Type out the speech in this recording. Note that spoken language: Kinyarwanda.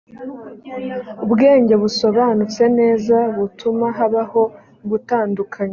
ubwenge busobanutse neza butuma habaho gutandukanya.